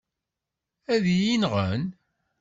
Ad iyi-nɣen.